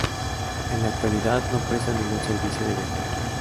En la actualidad no presta ningún servicio de viajeros.